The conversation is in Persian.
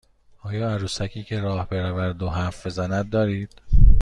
آیا عروسکی که راه برود و حرف بزند دارید؟